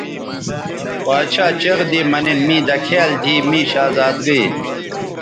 باڇھا چیغ دی مہ نِن می دکھیال دیھی می شہزادئ